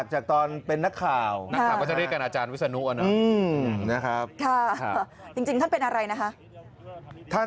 ฮะจริงท่านเป็นอะไรนะคะ